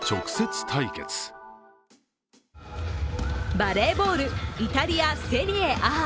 バレーボールイタリア・セリエＡ。